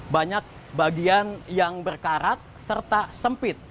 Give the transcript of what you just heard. banyak bagian yang berkarat serta sempit